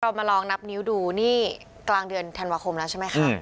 มาลองนับนิ้วดูนี่กลางเดือนธันวาคมแล้วใช่ไหมคะ